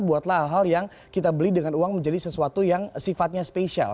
buatlah hal hal yang kita beli dengan uang menjadi sesuatu yang sifatnya spesial